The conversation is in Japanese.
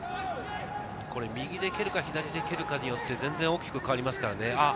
右で蹴るか左で蹴るかによって全然大きく変わりますからね。